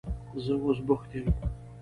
زه اوس بوخت یم.